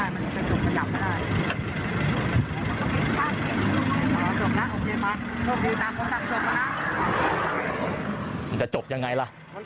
มันจะจบยังไงล่ะ